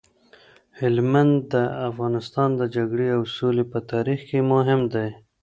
هلمند د افغانستان د جګړې او سولې په تاریخ کي مهم دی.